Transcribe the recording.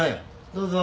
どうぞ。